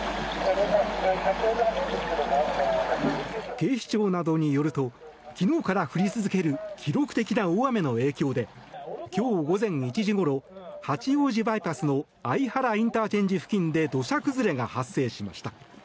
警視庁などによると昨日から降り続ける記録的な大雨の影響で今日午前１時ごろ八王子バイパスの相原ＩＣ付近で土砂崩れが発生しました。